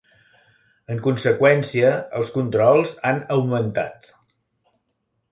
En conseqüència, els controls han augmentat.